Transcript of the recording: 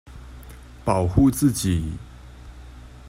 保護自己